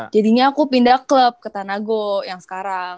jadinya aku pindah klub ke tanago yang sekarang